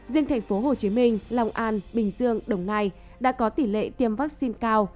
riêng tp hcm long an bình dương đồng nai đã có tỉ lệ tiêm vaccine cao